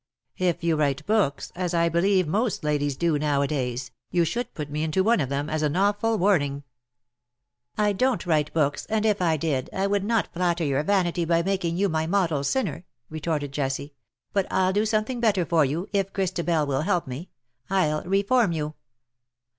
If you write books, as I believe most ladies do now a days, you should put me into one of them, as an awful warning/^ " I don^t write books, and, if I did, I would not flatter your vanity by making you my model sinner," retorted Jessie ;" but 1^11 do something better for you, if Christabel will help me. 1^11 reform you."